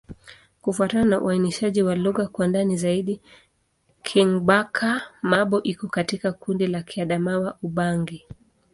Kufuatana na uainishaji wa lugha kwa ndani zaidi, Kingbaka-Ma'bo iko katika kundi la Kiadamawa-Ubangi.